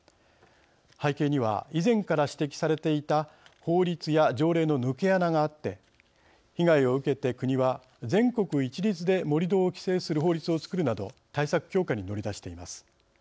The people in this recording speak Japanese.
背景には以前から指摘されていた法律や条例の抜け穴があって被害を受けて国は全国一律で盛り土を規制する法律を作るなど対策強化に乗り出しています。